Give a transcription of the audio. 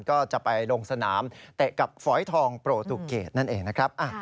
ก็จะไปลงสนามเตะกับฝอยทองโปรตูเกตนั่นเองนะครับ